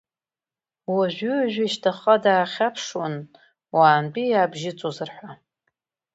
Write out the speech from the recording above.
Уажәи-уажәи шьҭахьҟа даахьаԥшуан, уаантәы иаабжьыҵуазар ҳәа.